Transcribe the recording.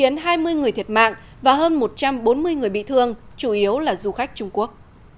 khiến hai mươi người thiệt mạng và hơn một trăm bốn mươi người bị thương chủ yếu là du khách trung quốc